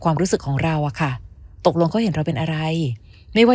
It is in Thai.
ความรู้สึกของเราอะค่ะตกลงเขาเห็นเราเป็นอะไรไม่ว่า